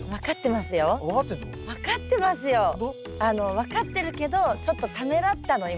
分かってるけどちょっとためらったの今。